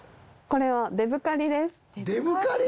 これは「デブカリ！？